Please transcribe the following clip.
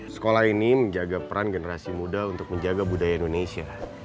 sekolah ini menjaga peran generasi muda untuk menjaga budaya indonesia